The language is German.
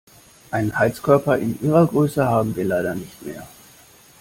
Einen Heizkörper in Ihrer Größe haben wir leider nicht mehr.